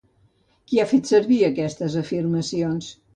Qui ha fet servir aquestes afirmacions?